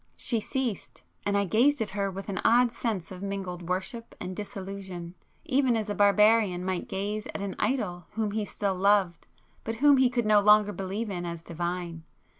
She ceased,—and I gazed at her with an odd sense of mingled worship and disillusion, even as a barbarian might gaze at an idol whom he still loved, but whom he could no longer believe in as divine.